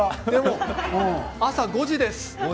朝５時です。